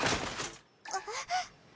あっ。